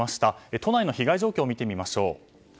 都内の被害状況を見てみましょう。